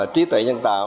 trí tuệ nhân tạo